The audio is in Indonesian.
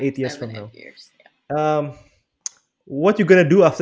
apa yang kamu akan lakukan setelah itu